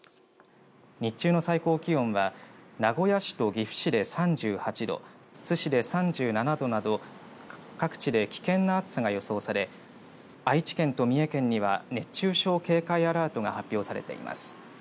日中の最高気温は名古屋市と岐阜市で３８度津市で３７度など各地で危険な暑さが予想され愛知県と三重県には熱中症警戒アラートが発表されています。